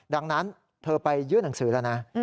ดังนั้นเธอไปยื่นหนังสือแล้วนะ